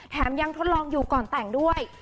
แถมยังทดลองอยู่ก่อนแต่งด้วย